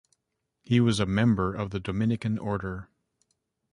He was a member of the Dominican Order.